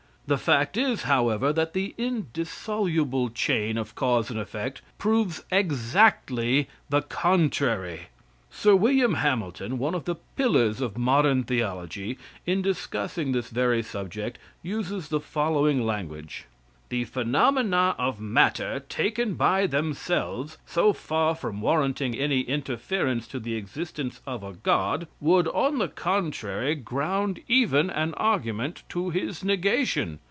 The fact is, however, that the indissoluble chain of cause and effect proves exactly the contrary. Sir William Hamilton, one of the pillars of modern theology, in discussing this very subject, uses the following language: "The phenomena of matter taken by themselves, so far from warranting any inference to the existence of a god, would on the contrary ground even an argument to his negation.